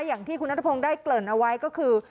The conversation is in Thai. อย่างที่คุณนัทพงศ์ได้เกริ่นเอาไว้ก็คือ